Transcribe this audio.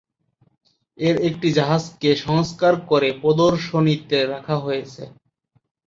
এর একটি জাহাজকে সংস্কার করে প্রদর্শনীতে রাখা হয়েছে।